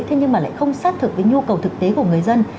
thế nhưng mà lại không sát thực với nhu cầu thực tế của người dân